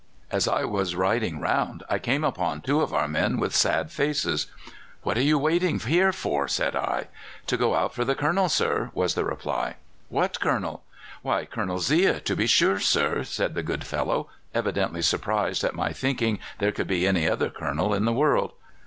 "As I was riding round I came upon two of our men with sad faces. "'What are you waiting here for?' said I. "'To go out for the Colonel, sir,' was the reply. "'What Colonel?' "'Why, Colonel Zea, to be sure, sir,' said the good fellow, evidently surprised at my thinking there could be any other Colonel in the world.